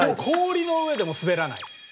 氷の上でも滑らない。